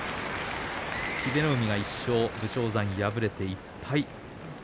英乃海が１勝武将山敗れて１敗。